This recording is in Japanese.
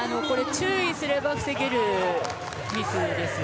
注意すれば防げるミスです。